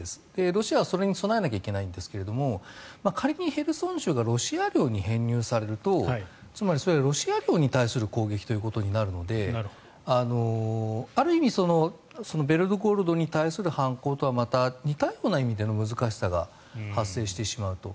ロシアはそれに備えなきゃいけないんですが仮にヘルソン州がロシア領に編入されるとつまり、それはロシア領に対する攻撃ということになるのである意味、ベルゴロドに対する反攻とはまた似たような意味での難しさが発生してしまうと。